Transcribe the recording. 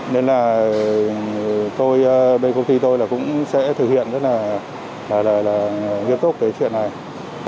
nên là tôi bên công ty tôi là cũng sẽ thực hiện rất là nghiêm túc cái chuyện này